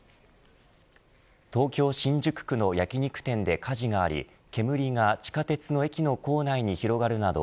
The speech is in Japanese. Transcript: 東京、新宿区の焼き肉店で火事があり煙が地下鉄の駅の構内に広がるなど